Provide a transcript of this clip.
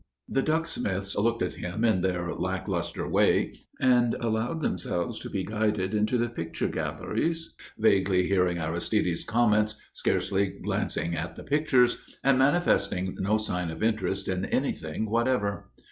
The Ducksmiths looked at him in their lacklustre way, and allowed themselves to be guided into the picture galleries, vaguely hearing Aristide's comments, scarcely glancing at the pictures, and manifesting no sign of interest in anything whatever.